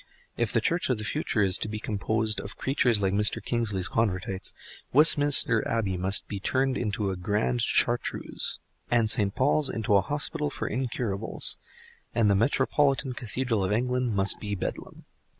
If the Church of the future is to be composed of creatures like Mr. Kingsley's Convertites, Westminster Abbey must be turned into a Grand Chartreuse, and St. Paul's into an Hospital for Incurables, and the metropolitan Cathedral of England must be Bedlam.